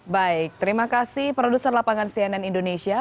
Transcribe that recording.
baik terima kasih produser lapangan cnn indonesia